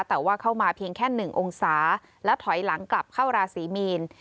แต่ว่าเข้ามาเพียงแค่๑องศาและถอยหลังกลับเข้าราศีมีน